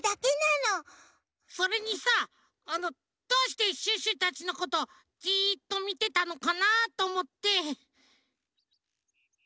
それにさあのどうしてシュッシュたちのことじっとみてたのかなとおもって。